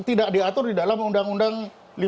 tidak diatur di dalam undang undang lima belas